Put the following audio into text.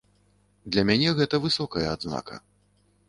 Для мяне гэта высокая адзнака.